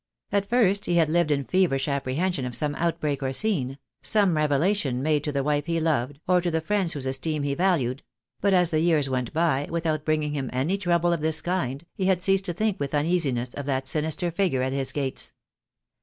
At first he had lived in feverish apprehension of some outbreak or scene — some revelation made to the wife he loved, or to the friends whose esteem he valued; but as the years went by without bringing him any trouble of this kind, he had ceased to think with uneasiness of that sinister figure at his gates.